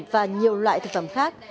và nhiều loại thực phẩm khác